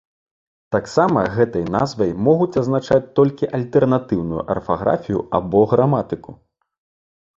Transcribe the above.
Таксама гэтай назвай могуць азначаць толькі альтэрнатыўную арфаграфію або граматыку.